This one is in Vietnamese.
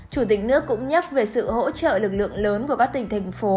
chủ tịch nước cũng nhắc về sự hỗ trợ lực lượng lớn của các tỉnh thành phố